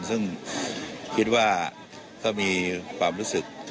ซึ่งคิดว่าก็มีความรู้สึก